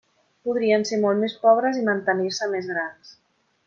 Podrien ser molt més pobres i mantenir-se més grans.